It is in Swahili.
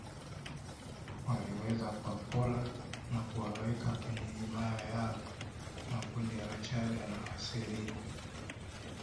Waliweza kuwapora na kuwaweka kwenye himaya yao makundi ya wachaga na Wasirikwa